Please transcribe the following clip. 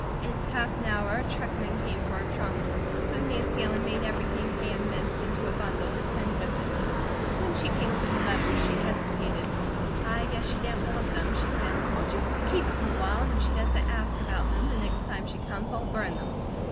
In half an hour a truckman came for her trunk, so Nancy Ellen made everything Kate had missed into a bundle to send with it. When she came to the letters, she hesitated. "I guess she didn't want them," she said. "I'll just keep them awhile and if she doesn't ask about them, the next time she comes, I'll burn them.